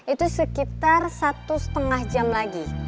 itu sekitar satu setengah jam lagi